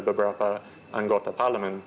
beberapa anggota parlamen